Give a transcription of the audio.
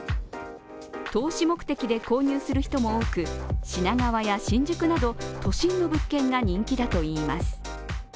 投資目的で購入する人も多く、品川や新宿など都心の物件が人気だといいます。